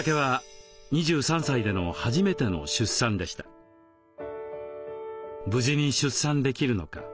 そのきっかけは無事に出産できるのか。